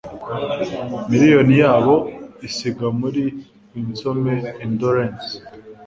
miriyoni yabo isiga muri winsome indolence